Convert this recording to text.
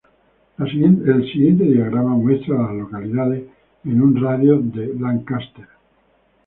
El siguiente diagrama muestra a las localidades en un radio de de Lancaster.